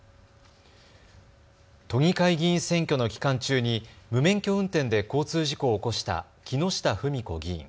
都議会議員選挙の期間中に無免許運転で交通事故を起こした木下富美子議員。